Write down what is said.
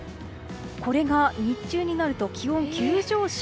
これが日中になると気温急上昇。